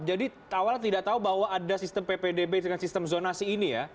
jadi awalnya tidak tahu bahwa ada sistem ppdb dengan sistem zonasi ini ya